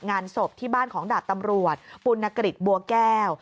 งานศพที่บ้านของดาบตำรวจปุณกฤษบัวแก้ว